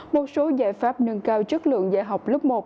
một số giải pháp nâng cao chất lượng dạy học lớp một